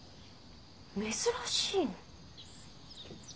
珍しいな。